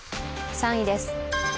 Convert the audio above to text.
３位です。